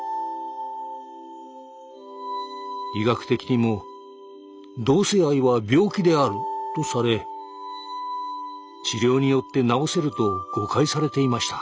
医学的にも「同性愛は病気である」とされ治療によって治せると誤解されていました。